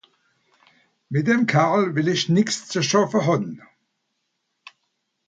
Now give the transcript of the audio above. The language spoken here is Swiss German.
Mìt dem Kerl wìll ìch nìx ze schàffe hàn.